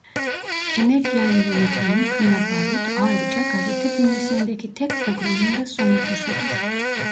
Genel yayın yönetmeni Pınar Barut ayrıca gazete bünyesindeki tek programın da sunucusudur.